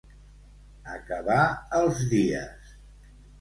Acabar els dies.